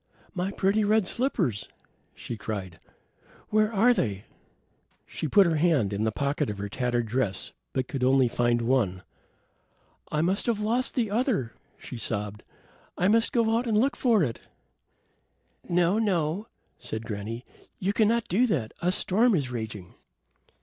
"My pretty red slippers," she cried. "Where are they?" She put her hand in the pocket of her tattered dress, but could only find one. "I must have lost the other," she sobbed. "I must go out and look for it." "No, no," said granny. "You cannot do that. A storm is raging."